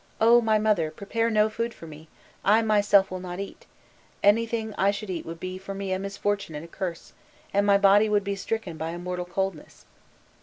O my mother, prepare no food for me, I myself will not eat: anything I should eat would be for me a misfortune and a curse, and my body would be stricken by a mortal coldness.